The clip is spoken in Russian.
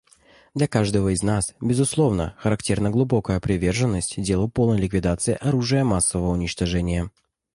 Для каждого из нас, безусловно, характерна глубокая приверженность делу полной ликвидации оружия массового уничтожения.